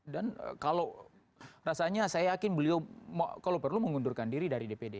dan kalau rasanya saya yakin beliau kalau perlu mengundurkan diri dari dpd